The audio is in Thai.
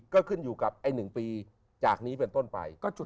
ก็ขึ้นอยู่กับไอ้๑ปีจากนี้เป็นต้นไป